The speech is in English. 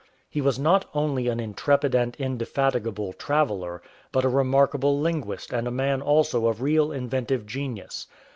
He was not only an intrepid and indefatigable traveller, but a remarkable linguist and a man also of real inventive genius.